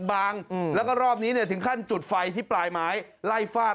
บางแล้วก็รอบนี้เนี่ยถึงขั้นจุดไฟที่ปลายไม้ไล่ฟาด